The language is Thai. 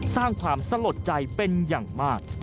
สร้างความสลดใจเป็นอย่างมาก